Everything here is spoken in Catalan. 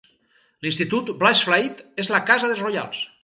L'Institut Blissfield és la casa dels Royals.